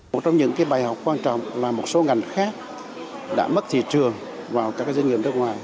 một trong những bài học quan trọng là một số ngành khác đã mất thị trường vào các doanh nghiệp nước ngoài